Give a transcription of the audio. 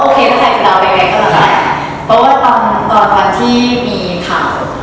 เพราะว่าตอนที่มีข่าว